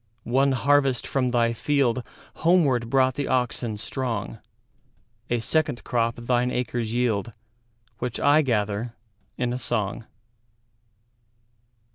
One harvest from thy fieldHomeward brought the oxen strong;A second crop thine acres yield, Which I gather in a song.